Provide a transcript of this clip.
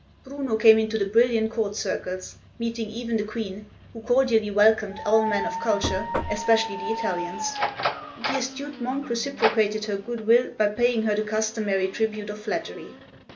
Bruno came into the brilliant court circles, meeting even the Queen, who cordially welcomed all men of culture, especially the Italians. The astute monk reciprocated her good will by paying her the customary tribute of flattery.